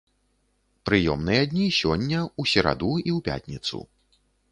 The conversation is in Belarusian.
Прыёмныя дні сёння, у сераду і ў пятніцу.